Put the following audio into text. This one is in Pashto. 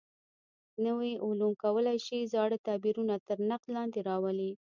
نوي علوم کولای شي زاړه تعبیرونه تر نقد لاندې راولي.